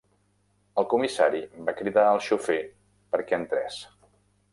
El comissari va cridar el xofer perquè entrés.